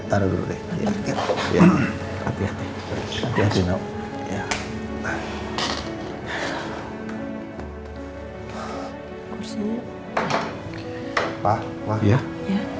terima kasih ya